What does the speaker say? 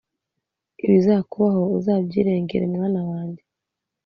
ibizakubaho uzabyirengere mwana wanjye……..